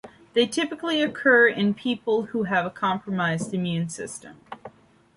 They typically occur in people who have a compromised immune system.